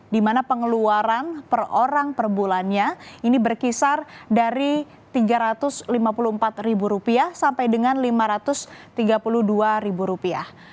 di mana pengeluaran per orang per bulannya ini berkisar dari tiga ratus lima puluh empat rupiah sampai dengan lima ratus tiga puluh dua rupiah